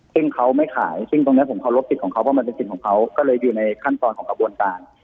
ซึ่งเขาไม่ขายซึ่งตรงนี้ผมเคารพสิทธิ์ของเขาเพราะมันเป็นสิทธิ์ของเขาก็เลยอยู่ในขั้นตอนของกระบวนการ